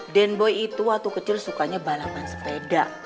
den boy itu waktu kecil sukanya balapan sepeda